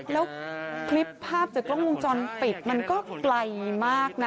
แล้วคลิปภาพจากกล้องวงจรปิดมันก็ไกลมากนะ